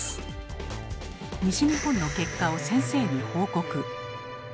西日本の結果を先生に報告。